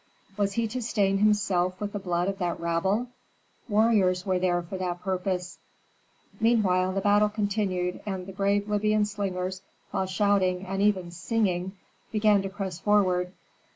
Was he to stain himself with the blood of that rabble? Warriors were there for that purpose. Meanwhile the battle continued, and the brave Libyan slingers, while shouting and even singing, began to press forward.